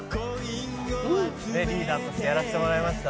「ねえリーダーとしてやらせてもらいました